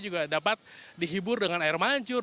juga dapat dihibur dengan air mancur